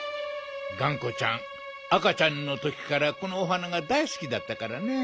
がんこちゃんあかちゃんのときからこのお花がだいすきだったからね。